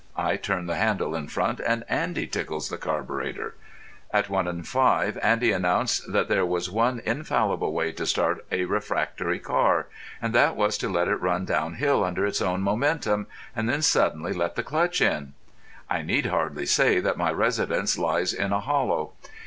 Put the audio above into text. I turn the handle in front and Andy tickles the carburetter. At 1.5 Andy announced that there was one infallible way to start a refractory car, and that was to let it run down hill under its own momentum, and then suddenly let the clutch in. I need hardly say that my residence lies in a hollow.